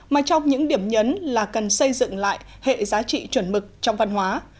mà trong những điểm nhấn là cần xây dựng lại hệ giá trị chuẩn mực trong văn hóa